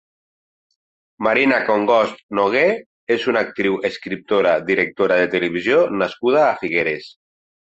Marina Congost Nogué és una actriu, escriptora, directora de televisió nascuda a Figueres.